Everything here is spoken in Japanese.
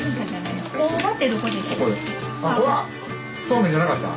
これはそうめんじゃなかった？